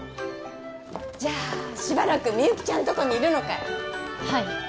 じゃあしばらくみゆきちゃんとこにいるのかい？